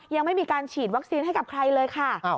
ยังไม่มีการฉีดวัคซีนให้กับใครเลยค่ะ